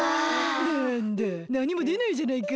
なんだなにもでないじゃないか。